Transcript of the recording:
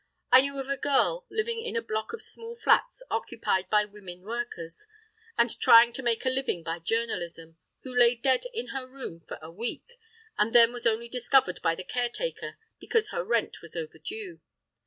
I knew of a girl living in a block of small flats occupied by women workers, and trying to make a living by journalism, who lay dead in her room for a week, and then was only discovered by the caretaker because her rent was overdue.